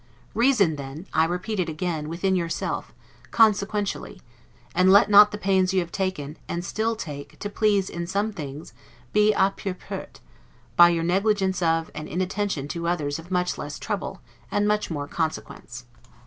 Reason then, I repeat it again, within yourself, CONSEQUENTIALLY; and let not the pains you have taken, and still take, to please in some things be a 'pure perte', by your negligence of, and inattention to others of much less trouble, and much more consequence.